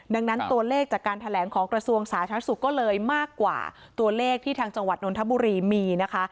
ดังนั้นตัวเลขจากการแถลงของกระทรวงสาธารณสุขก็เลยมากกว่าตัวเลขที่ทางจังหวัดนทบุรีมีนะคะ